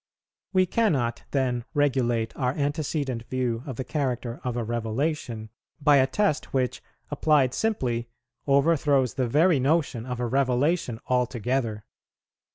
We cannot then regulate our antecedent view of the character of a revelation by a test which, applied simply, overthrows the very notion of a revelation altogether.